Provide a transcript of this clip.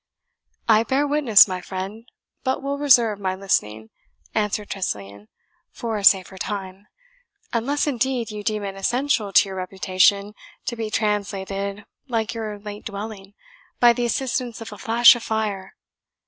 "I bear witness, my friend, but will reserve my listening," answered Tressilian, "for a safer time; unless, indeed, you deem it essential to your reputation to be translated, like your late dwelling, by the assistance of a flash of fire.